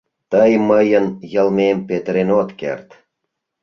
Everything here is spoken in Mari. Тый мыйын йылмем петырен от керт.